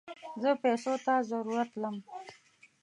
زه پيسوته ضرورت لم